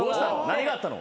何があったの？